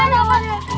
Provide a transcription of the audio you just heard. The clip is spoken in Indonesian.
mas apaan itu